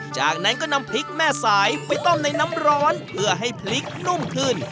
จากนั้นก็นำพริกแม่สายไปต้มในน้ำร้อนเพื่อให้พริกนุ่มขึ้น